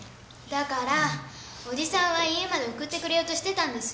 だからおじさんは家まで送ってくれようとしてたんです。